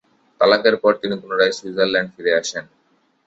তালাকের পর তিনি পুনরায় সুইজারল্যান্ড ফিরে আসেন।